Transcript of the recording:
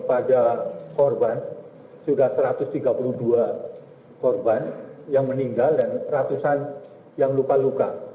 pada korban sudah satu ratus tiga puluh dua korban yang meninggal dan ratusan yang luka luka